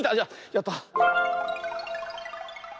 やった！